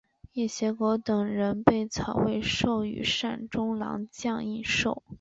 掖邪狗等人被曹魏授予率善中郎将印绶。